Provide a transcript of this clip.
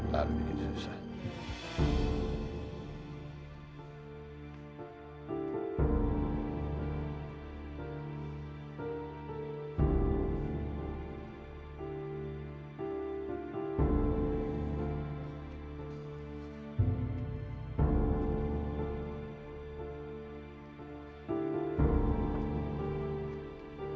harus bikin susah